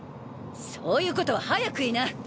そういう事は早く言いな！